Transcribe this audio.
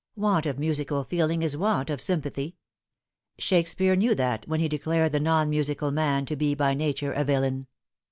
Want of musical feeling is want of sympathy. Shakespeare knew that when he declared the non musical man to be by nature a villain.